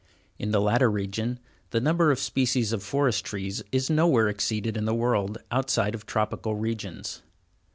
In the latter region, the number of species of forest trees is nowhere exceeded in the world, outside of tropical regions.